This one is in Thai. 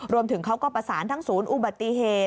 รวมถึงเขาก็ประสานทั้งศูนย์อุบัติเหตุ